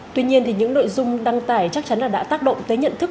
tuy nhiên những nội dung đăng tải chắc chắn đã tác động tới nhận thức